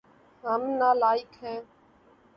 ہم نالائق ہیے